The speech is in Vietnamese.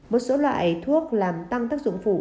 một số loại thuốc làm tăng tác dụng phụ